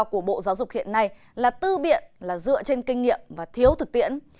của bộ giáo dục hiện nay là tư biện là dựa trên kinh nghiệm và thiếu thực tiễn